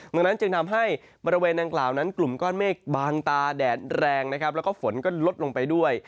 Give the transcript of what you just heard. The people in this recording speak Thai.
ดังนั้นจึงทำให้บริเวณดังกล่าวนั้นกลุ่มก้อนเมฆบางตาแดดแรงนะครับแล้วก็ฝนก็ลดลงไปด้วย